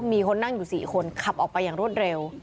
มีคนนั่งอยู่๔คนขับออกไปอย่างรวดเร็ว